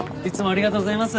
・ありがとうございます。